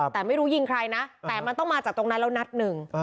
แต่ไม่รู้ยิงใครนะแต่มันต้องมาจากตรงนั้นแล้วนัดหนึ่ง